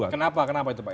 kenapa itu pak irvan